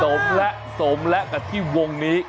สมแล้วสมแล้วกับที่วงนี้